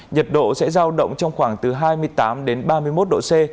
nhiệt độ sẽ giao động trong khoảng từ hai mươi tám đến ba mươi một độ c